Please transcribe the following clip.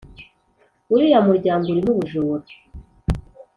uriya muryango urimo ubujura